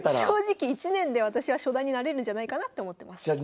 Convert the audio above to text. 正直１年で私は初段になれるんじゃないかなって思ってます。